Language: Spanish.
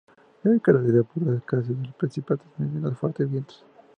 Se caracteriza por la escasez de precipitaciones y los fuertes vientos.